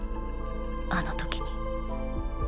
あの時に。